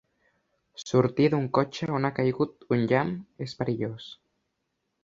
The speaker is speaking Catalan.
Sortir d'un cotxe on ha caigut un llamp és perillós.